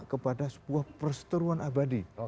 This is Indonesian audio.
kepada sebuah perseteruan abadi